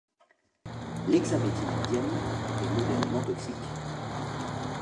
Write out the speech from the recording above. L’hexaméthylènediamine est modérément toxique.